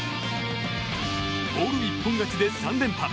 オール一本勝ちで３連覇。